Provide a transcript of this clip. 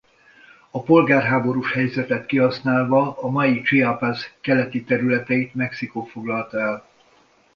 A polgárháborús helyzetet kihasználva a mai Chiapas keleti területeit Mexikó foglalta el.